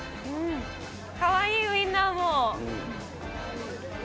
かわいいウインナーも。